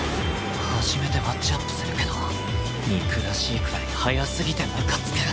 初めてマッチアップするけど憎らしいくらい速すぎてムカつく